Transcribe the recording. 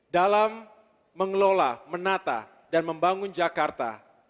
dalam mengelola menata dan membangun jakarta